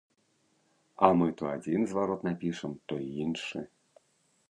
А мы то адзін зварот напішам, то іншы.